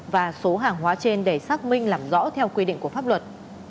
và số hàng hóa trên để xác minh làm rõ theo quy định của pháp luật